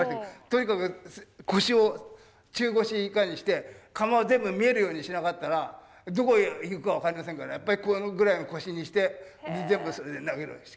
とにかく腰を中腰以下にして窯を全部見えるようにしなかったらどこへいくか分かりませんからやっぱりこのぐらいの腰にして全部それで投げるように。